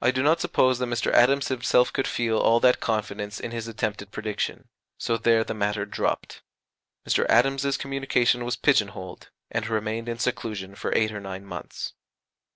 I do not suppose that Mr. Adams himself could feel all that confidence in his attempted prediction. So there the matter dropped. Mr. Adams's communication was pigeon holed, and remained in seclusion for eight or nine months.